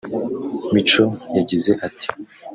Micho yagize ati